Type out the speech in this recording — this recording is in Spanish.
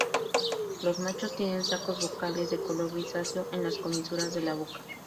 Los machos tienen sacos vocales de color grisáceo en las comisuras de la boca.